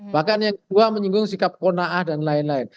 bahkan yang kedua menyinggung sikap ⁇ konaah ⁇ dan lain lain